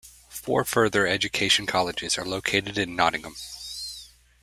Four further education colleges are located in Nottingham.